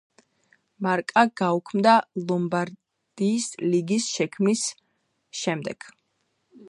მარკა გაუქმდა ლომბარდიის ლიგის შექმნის შემდეგ.